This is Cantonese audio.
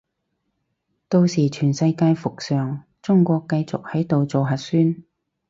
到時全世界復常，中國繼續喺度做核酸